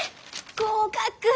合格！